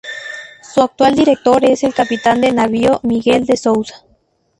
Su actual director es el Capitán de Navío Miguel De Souza.